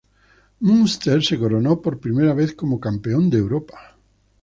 Munster se coronó por primera vez como Campeón de Europa.